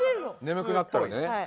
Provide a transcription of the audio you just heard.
眠くなったらね。